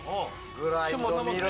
グラインドミル。